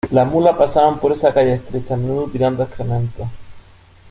Las mulas pasaban por esa calle estrecha, a menudo tirando excrementos.